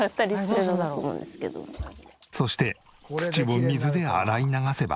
そして土を水で洗い流せば。